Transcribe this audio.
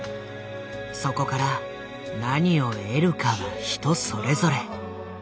そこから何を得るかは人それぞれ。